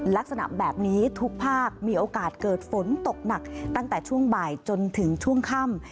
ลักษณะแบบนี้ทุกภาคมีโอกาสเกิดฝนตกหนักตั้งแต่ช่วงบ่ายจนถึงช่วงค่ำ